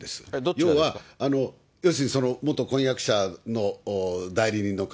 要は、要するに元婚約者の代理人の方。